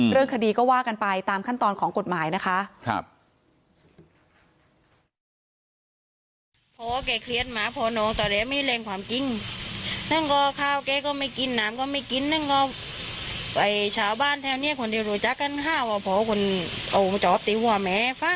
เรื่องคดีก็ว่ากันไปตามขั้นตอนของกฎหมายนะคะ